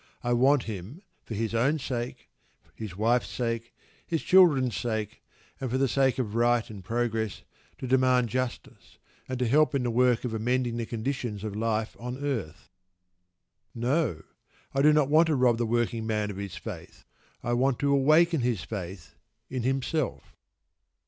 I want him, for his own sake, his wife's sake, his children's sake, and for the sake of right and progress, to demand justice, and to help in the work of amending the conditions of life on earth. No, I do not want to rob the working man of his faith: I want to awaken his faith in himself.